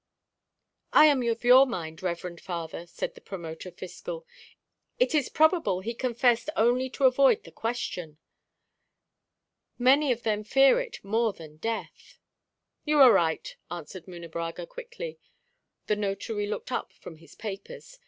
"I am of your mind, reverend father," said the Promoter fiscal. "It is probable he confessed only to avoid the Question. Many of them fear it more than death." "You are right," answered Munebrãga quickly. The notary looked up from his papers.